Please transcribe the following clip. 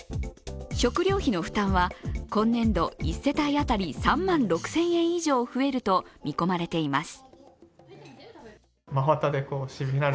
食料費の負担は今年度１世帯当たり３万６０００円以上増えると見込まれています。